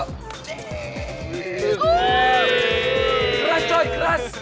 keras coy keras